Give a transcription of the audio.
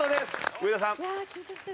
上田さん。